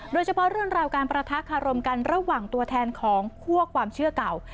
เรื่องราวการประทะคารมกันระหว่างตัวแทนของคั่วความเชื่อเก่า